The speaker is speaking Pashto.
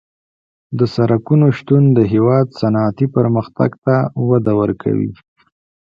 د سرکونو شتون د هېواد صنعتي پرمختګ ته وده ورکوي